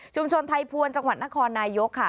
ไทยพวนจังหวัดนครนายกค่ะ